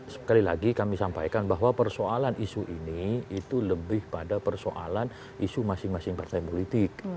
sekali lagi kami sampaikan bahwa persoalan isu ini itu lebih pada persoalan isu masing masing partai politik